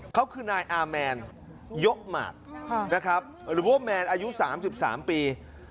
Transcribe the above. เขาคือนายอาแมนยกหมากนะครับหรือว่าแมนอายุ๓๓ปี